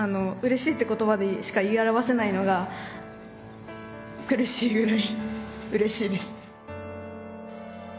「うれしい」って言葉でしか言い表せないのが苦しいぐらいうれしいです。